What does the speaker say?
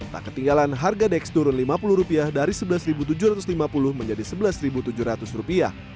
tak ketinggalan harga dex turun rp lima puluh dari rp sebelas tujuh ratus lima puluh menjadi rp sebelas tujuh ratus